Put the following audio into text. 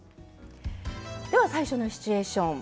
では最初のシチュエーション